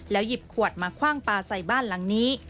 หยิบขวดมาคว่างปลาใส่บ้านหลังนี้